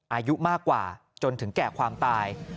อายุมากกว่าจนถึงแก่ความตาย